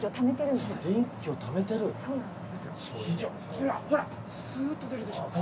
ほらほらスーッと出るでしょ。